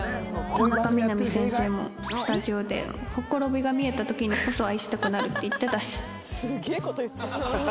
田中みな実先生もスタジオでほころびが見えた時にこそ愛したくなるって言ってたし